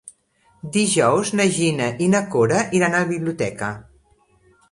Dijous na Gina i na Cora iran a la biblioteca.